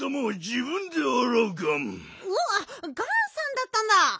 うわっガンさんだったんだ！